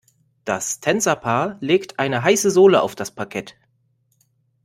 Das Tänzerpaar legt eine heiße Sohle auf das Parkett.